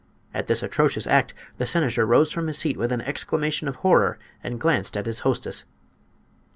At this atrocious act the senator rose from his seat with an exclamation of horror and glanced at his hostess.